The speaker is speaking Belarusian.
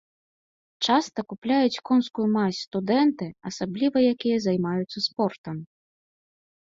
Часта купляюць конскую мазь студэнты, асабліва якія займаюцца спортам.